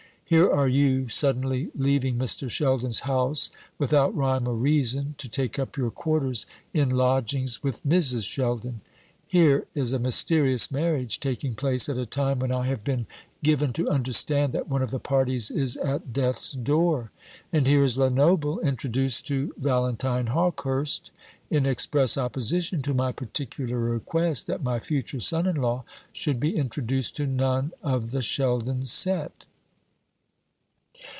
Here are you suddenly leaving Mr. Sheldon's house without rhyme or reason, to take up your quarters in lodgings with Mrs. Sheldon. Here is a mysterious marriage taking place at a time when I have been given to understand that one of the parties is at death's door; and here is Lenoble introduced to Valentine Hawkehurst, in express opposition to my particular request that my future son in law should be introduced to none of the Sheldon set."